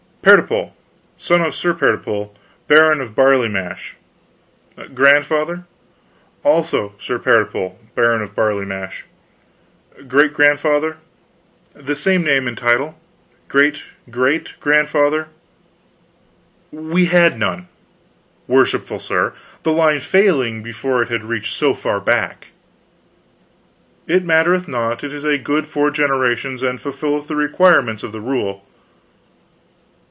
"Pertipole, son of Sir Pertipole, Baron of Barley Mash." "Grandfather?" "Also Sir Pertipole, Baron of Barley Mash." "Great grandfather?" "The same name and title." "Great great grandfather?" "We had none, worshipful sir, the line failing before it had reached so far back." "It mattereth not. It is a good four generations, and fulfilleth the requirements of the rule."